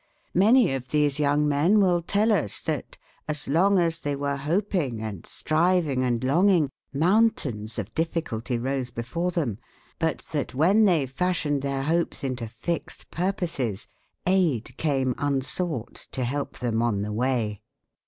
Many of these young men will tell us that, as long as they were hoping and striving and longing, mountains of difficulty rose before them; but that when they fashioned their hopes into fixed purposes aid came unsought to help them on the way."